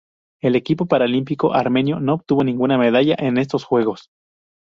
El equipo paralímpico armenio no obtuvo ninguna medalla en estos Juegos.